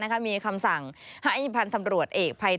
มีคำสั่งให้พันธ์ตำรวจเอกภัย